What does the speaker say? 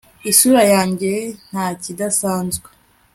isura yanjye ntakidasanzwe